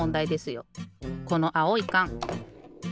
このあおいかん。